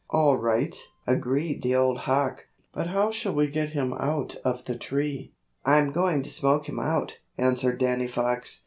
"All right," agreed the old hawk, "but how shall we get him out of the tree?" "I'm going to smoke him out," answered Danny Fox.